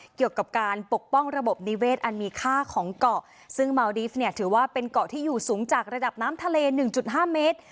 เกี่ยวกับการปกป้องระบบนิเวศอันมีค่าของเกาะซึ่งเมาดีฟเนี่ยถือว่าเป็นเกาะที่อยู่สูงจากระดับน้ำทะเลหนึ่งจุดห้าเมตร